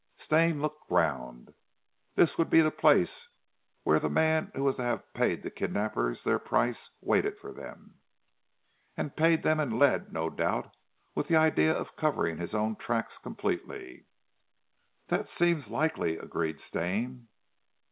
Stane looked round. "This would be the place where the man, who was to have paid the kidnappers their price, waited for them." "And paid them in lead, no doubt with the idea of covering his own tracks completely." "That seems likely," agreed Stane.